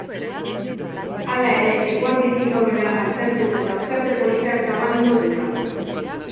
Hala ere, eguerditik aurrera atertu eta ostarte politak zabalduko dira.